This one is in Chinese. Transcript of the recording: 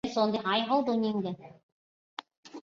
酸可分为无机酸和有机酸两种。